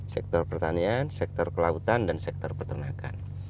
sektor pertanian sektor kelautan dan sektor peternakan